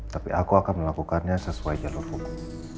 tapi aku akan melakukannya sesuai jalur buku